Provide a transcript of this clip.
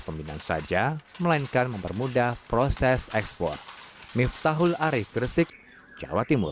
peminan saja melainkan mempermudah proses ekspor miftahul arief gresik jawa timur